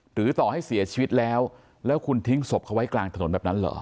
ต่อให้เสียชีวิตแล้วแล้วคุณทิ้งศพเขาไว้กลางถนนแบบนั้นเหรอ